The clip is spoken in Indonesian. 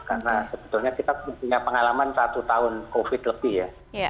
karena sebetulnya kita punya pengalaman satu tahun covid lebih ya